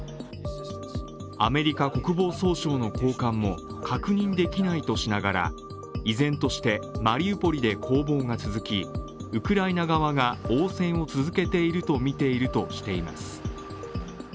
アメリカ国防総省の高官も確認できないとしながら依然としてマリウポリで攻防が続き、ウクライナ側が応戦を続けているとみているとしています。